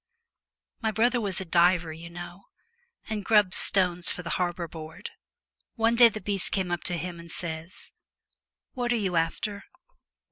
My brother was a diver, you know, and grubbed stones for the Harbour Board. One day the beast comes up to him, and says, " What are you after